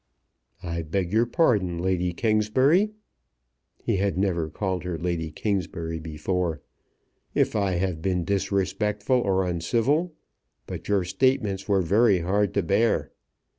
"I beg your pardon, Lady Kingsbury," he had never called her Lady Kingsbury before, "if I have been disrespectful or uncivil, but your statements were very hard to bear.